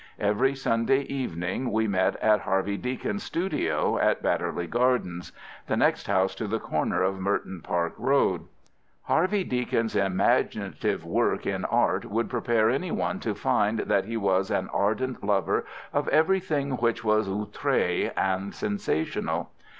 Every Sunday evening we met in Harvey Deacon's studio at Badderly Gardens, the next house to the corner of Merton Park Road. Harvey Deacon's imaginative work in art would prepare any one to find that he was an ardent lover of everything which was outré and sensational.